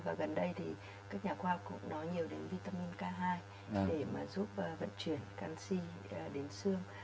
và gần đây thì các nhà khoa học cũng nói nhiều đến vitamin k hai để mà giúp vận chuyển canxi đến xương